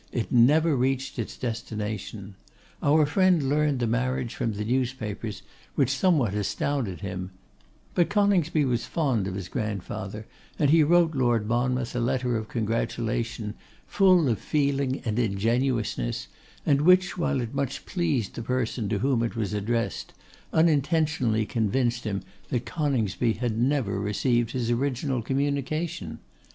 It never reached its destination. Our friend learnt the marriage from the newspapers, which somewhat astounded him; but Coningsby was fond of his grandfather, and he wrote Lord Monmouth a letter of congratulation, full of feeling and ingenuousness, and which, while it much pleased the person to whom it was addressed, unintentionally convinced him that Coningsby had never received his original communication.